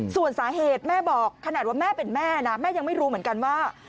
ส่วนสาเหตุแม่บอกขนาดว่าแม่เป็นแม่นะแม่ยังไม่รู้เหมือนกันว่า